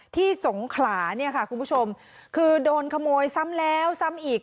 สงขลาเนี่ยค่ะคุณผู้ชมคือโดนขโมยซ้ำแล้วซ้ำอีก